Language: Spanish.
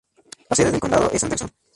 La sede del condado es Anderson.